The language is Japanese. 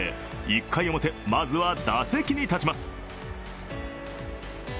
１回表、まずは打席に立ちます。